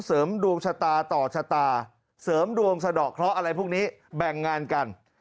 เสริมดวงชะตาต่อชะตาเสริมดวงสะดอกเคราะห์อะไรพวกนี้แบ่งงานกัน